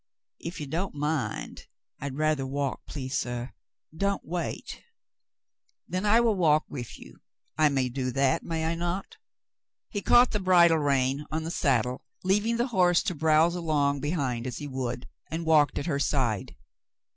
"If you don't mind, I'd rather walk, please, suh. Don't wait." "Then I will walk with you. I may do that, may I not?" He caught the bridle rein on the saddle, leaving the horse to browse along behind as he would, and walked at her side.